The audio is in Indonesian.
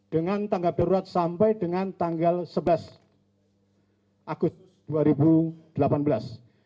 dengan tanggap darurat sampai dengan tanggal sebelas agustus dua ribu delapan belas